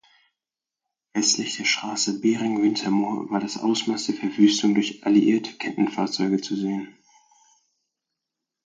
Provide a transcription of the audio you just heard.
Westlich der Straße Behringen-Wintermoor war das Ausmaß der Verwüstungen durch alliierte Kettenfahrzeuge zu sehen.